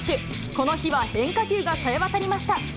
この日は変化球がさえ渡りました。